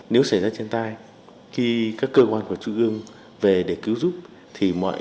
nếu xảy ra thiên tai khi các cơ quan của trung ương về để cứu giúp thì mọi diễn biến về thiệt hại cũng đã xảy ra